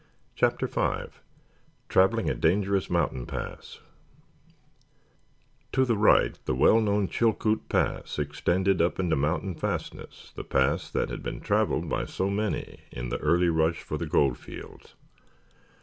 CHAPTER V TRAVELING A DANGEROUS MOUNTAIN PASS To the right the well known Chilkoot Pass extended up into the mountain fastness, the pass that had been traveled by so many in the early rush for the gold fields.